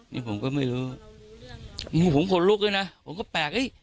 นี่ผมก็ไม่รู้ผมขนลุกด้วยนะผมก็แปลกเอ้ย